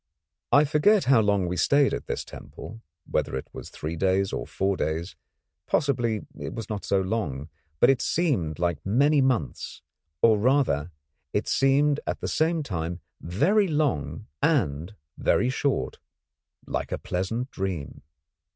I forget how long we stayed at this temple, whether it was three days or four days; possibly it was not so long, but it seemed like many months, or rather it seemed at the same time very long and very short, like a pleasant dream.